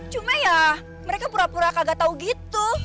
cuma ya mereka pura pura tidak tahu begitu